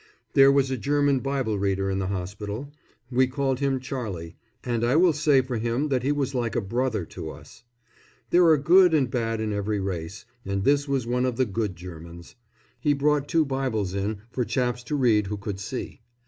There was a German Bible reader in the hospital. We called him Charlie, and I will say for him that he was like a brother to us. There are good and bad in every race, and this was one of the good Germans. He brought two Bibles in for chaps to read who could see.